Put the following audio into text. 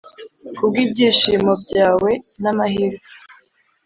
kubwibyishimo byawe n'amahirwe.